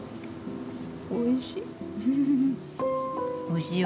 おいしい。